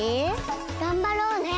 がんばろうね。